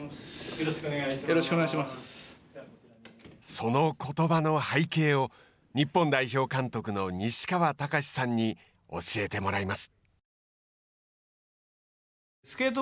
そのことばの背景を日本代表監督の西川隆さんに教えてもらいます。